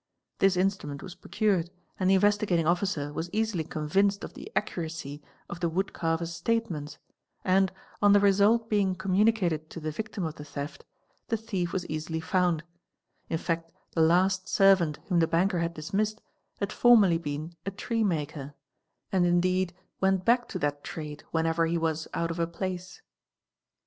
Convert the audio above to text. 'This nstrument was procured and the Investigating Officer was easily con inced of the accuracy of the wood carver's statements, and, on the result being communicated to the victim of the theft, the thief was easily found: in fact the last servant whom the banker had dismissed had formerly een a tree maker, and indeed went back to that trade whenever he was put of a place.